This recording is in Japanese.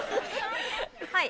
はい。